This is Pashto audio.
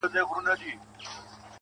o په عزت په شرافت باندي پوهېږي.